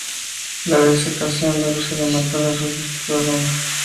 La desecación de los alimentos resolvió este problema.